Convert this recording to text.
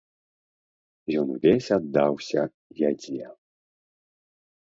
Ён увесь аддаўся ядзе.